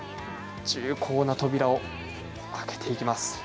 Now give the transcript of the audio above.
重厚な扉を開けていきます。